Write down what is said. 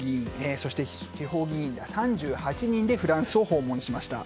そして、地方議員ら３８人でフランスを訪問しました。